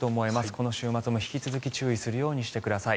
この週末も引き続き注意するようにしてください。